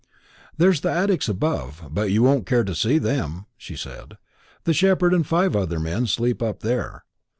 "There's the attics above; but you won't care to see them," she said. "The shepherd and five other men sleep up there.